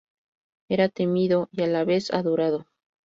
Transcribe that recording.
Era temido, y a la vez adorado.